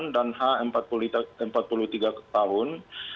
dan h empat puluh tiga tahun